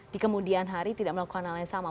di kemudian hari tidak melakukan hal yang sama